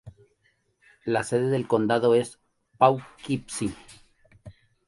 La sede del condado es Poughkeepsie.